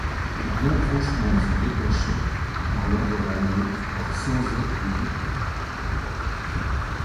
Un embranchement s'en détachait, allant vers la Meuse, par Sanzey et Boucq.